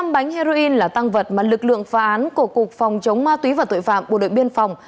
một mươi bánh heroin là tăng vật mà lực lượng phá án của cục phòng chống ma túy và tội phạm bộ đội biên phòng